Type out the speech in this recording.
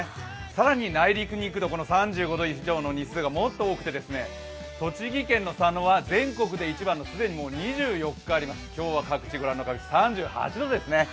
更に内陸にいくと３５度以上の日数がもっと多くて栃木県の佐野は全国で一番の既に２４日で今日は各地、御覧のとおり３８度ですね。